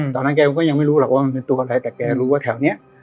ตอนนั้นแกก็ยังไม่รู้หรอกว่ามันเป็นตัวอะไรแต่แกรู้ว่าแถวนี้